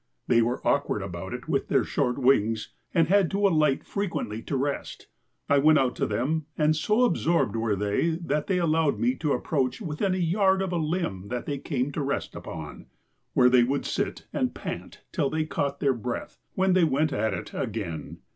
They were awkward about it with their short wings and had to alight frequently to rest. I went out to them and so absorbed were they that they allowed me to approach within a yard of a limb that they came to rest upon, where they would sit and pant till they caught their breath, when they went at it again.